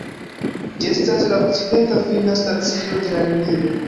Ĝi estas la okcidenta fina stacio de la linio.